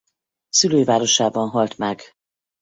Szülővárosában halt meg.